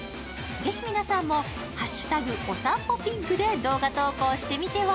ぜひ皆さんも「＃おさんぽぴっぐ」で動画投稿してみては。